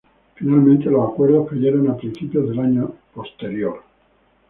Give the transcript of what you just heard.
Finalmente los acuerdos cayeron a principios del año posterior.